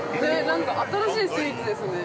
◆新しいスイーツですね。